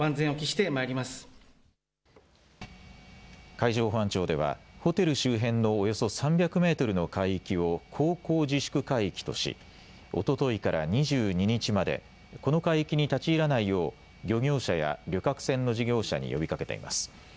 海上保安庁ではホテル周辺のおよそ３００メートルの海域を航行自粛海域とし、おとといから２２日までこの海域に立ち入らないよう漁業者や旅客船の事業者に呼びかけています。